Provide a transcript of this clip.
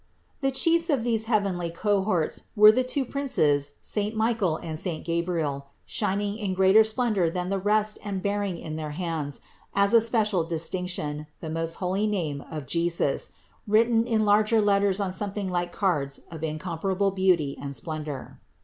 The chiefs of these heavenly cohorts were the two princes, saint Michael 440 CITY OF GOD and saint Gabriel, shining in greater splendor than the rest and bearing in their hands, as a special distinction, the most holy name of JESUS, written in larger letters on something like cards of incomparable beauty and splendor.